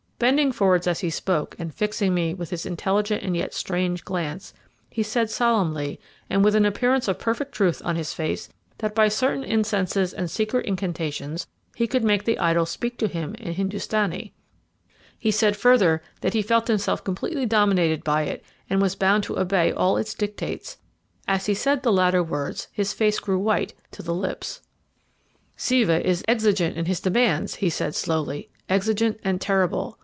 Bending forward as he spoke, and fixing me with his intelligent and yet strange glance, he said solemnly, and with an appearance of perfect truth on his face, that by certain incenses and secret incantations he could make the idol speak to him in Hindustanee. He said further that he felt himself completely dominated by it, and was bound to obey all its dictates. As he said the latter words his face grew white to the lips. "'Siva is exigent in his demands,' he said slowly 'exigent and terrible.